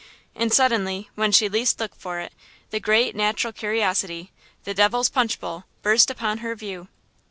And suddenly, when she least looked for it, the great natural curiousity–the Devil's Punch Bowl–burst upon her view!